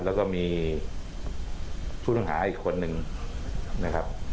แล้วก็มีผู้ต้องหาอีกคนนึงนะครับ